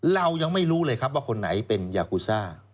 เรายังไม่รู้เลยครับว่าคนไหนเป็นยากูซ่า